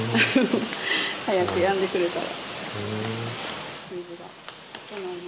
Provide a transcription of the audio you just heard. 早くやんでくれたら。